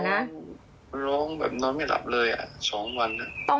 ร้องแบบนอนไม่หลับเลยอ่ะ๒วัน